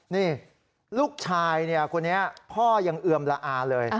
นี่ลูกชายคนนี้พ่อยังเอือมละอาเลย